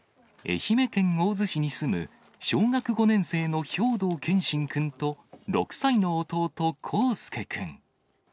愛媛県大洲市に住む小学５年生の兵頭謙芯くんと、６歳の弟、康介くん。